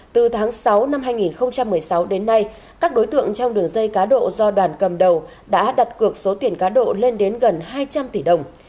từ tháng sáu năm hai nghìn một mươi sáu đến nay các đối tượng trong đường dây cá độ do đoàn cầm đầu đã đặt cược số tiền cá độ lên đến gần hai trăm linh tỷ đồng